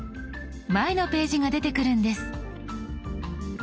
前のページが出てくるんです。